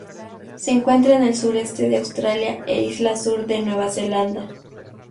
Se encuentra en el sureste de Australia e Isla Sur de Nueva Zelanda.